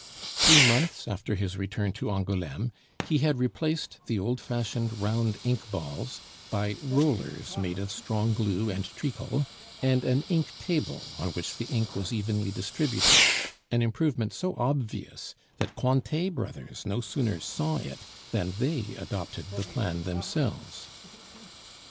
Three months after his return to Angouleme, he had replaced the old fashioned round ink balls by rollers made of strong glue and treacle, and an ink table, on which the ink was evenly distributed, an improvement so obvious that Cointet Brothers no sooner saw it than they adopted the plan themselves.